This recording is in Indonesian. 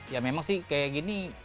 ya memang sih kayak gini